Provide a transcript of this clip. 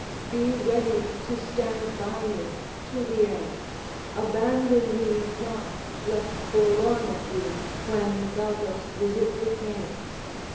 Be ready to stand by me to the end, abandon me not left forlorn of thee when thou dost visit the kings.